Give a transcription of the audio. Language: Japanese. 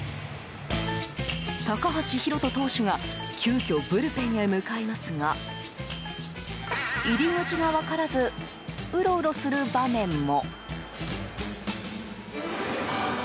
高橋宏斗投手が急きょ、ブルペンへ向かいますが入り口が分からずうろうろする場面も。